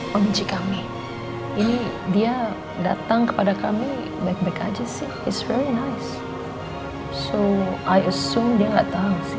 mengunci kami ini dia datang kepada kami baik baik aja sih it's very nice so i assume dia nggak tahu sih